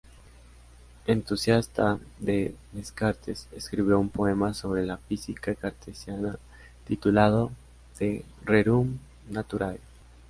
Entusiasta de Descartes, escribió un poema sobre la física cartesiana titulado "De rerum naturae.